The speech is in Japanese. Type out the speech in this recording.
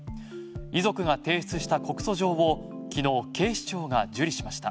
遺族が提出した告訴状を昨日、警視庁が受理しました。